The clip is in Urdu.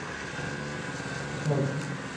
جرسی